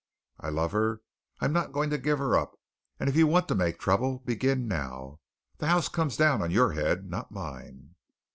I love her. I'm not going to give her up, and if you want to make trouble, begin now. The house comes down on your head, not mine."